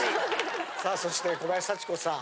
さあそして小林幸子さん。